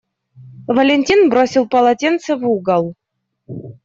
Валентин бросил полотенце в угол.